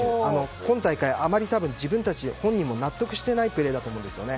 今大会、あまり本人も納得していないプレーだと思うんですよね。